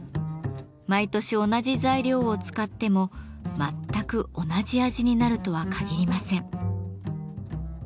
毎年同じ材料を使っても全く同じ味になるとは限りません。